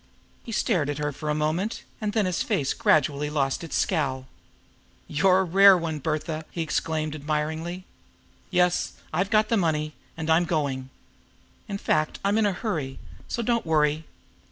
He stared at her for a moment, and then his face gradually lost its scowl. "You're a rare one, Bertha!" he exclaimed admiringly. "Yes; I've got the money and I'm going. In fact, I'm in a hurry, so don't worry!